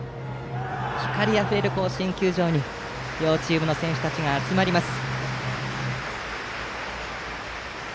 光あふれる甲子園球場に両チームの選手たちが集まります。